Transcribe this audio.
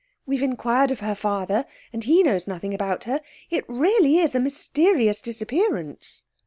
We've inquired of her father, and he knows nothing about her. It really is a mysterious disappearance.'